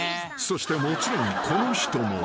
［そしてもちろんこの人も］